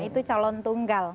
itu calon tunggal